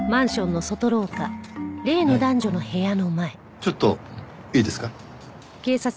ちょっといいですか？